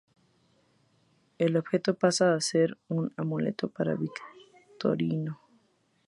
El objeto pasa a ser un amuleto para Victorino.